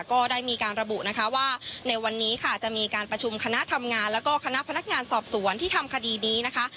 ก็ได้มีการระบุนะคะว่าในวันนี้ค่ะจะมีการประชุมคณะทำงานแล้วก็คณะพนักงานสอบสวนที่ทำคดีนี้นะคะ